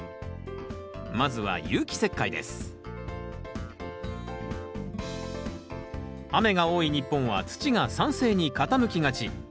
まずは雨が多い日本は土が酸性に傾きがち。